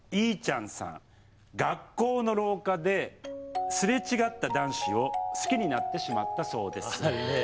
学校の廊下ですれ違った男子を好きになってしまったそうです。